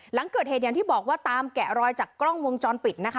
หลังเกิดเหตุอย่างที่บอกว่าตามแกะรอยจากกล้องวงจรปิดนะคะ